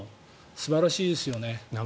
素晴らしいですよね。